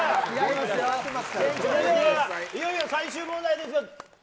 それでは、いよいよ最終問題ですが。